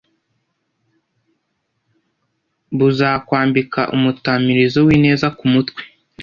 buzakwambika umutamirizo w'ineza ku mutwe